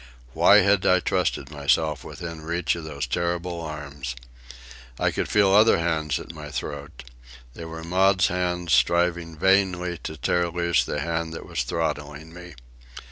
Why had I trusted myself within reach of those terrible arms? I could feel other hands at my throat. They were Maud's hands, striving vainly to tear loose the hand that was throttling me.